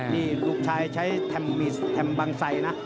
นี่ลูกชายใช้แถมบังไสยนะ